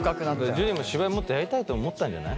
樹も芝居もっとやりたいと思ったんじゃない？